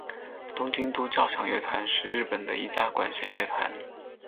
东京都交响乐团是日本的一家管弦乐团。